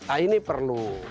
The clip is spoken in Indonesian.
nah ini perlu